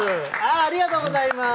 ありがとうございます。